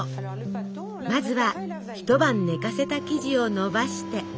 まずは一晩寝かせた生地をのばして。